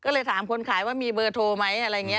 ก็เลยถามคนขายว่ามีเบอร์โทรไหมอะไรอย่างนี้